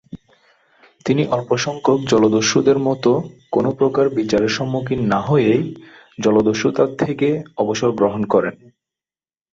তিনি অল্প সংখ্যক জলদস্যুদের মত কোন প্রকার বিচারের সম্মুখীন না হয়েই জলদস্যুতা থেকে অবসর গ্রহণ করেন।